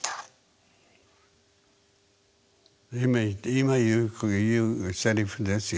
今言うセリフですよ。